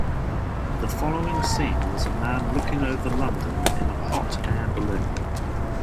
The following scene was a man looking over London in a hot air balloon.